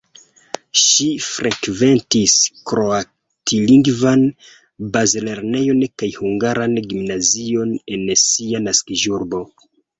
Ŝi frekventis kroatlingvan bazlernejon kaj hungaran gimnazion en sia naskiĝurbo.